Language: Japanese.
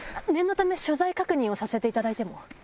念のため所在確認をさせていただいても？